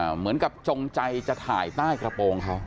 เหมือนกับจงใจจะถ่ายใต้กระโปรงเขา